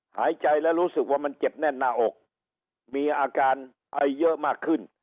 หายใจและรู้สึกว่ามันเจ็บแน่นหน้าอกมีอาการไอเยอะมากขึ้น